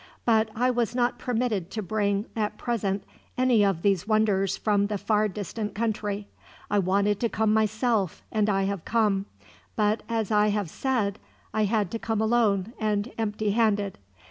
But I was not permitted to bring, at present, any of these wonders from the far distant country. I wanted to come myself, and I have come; but as I have said, I had to come alone and empty handed.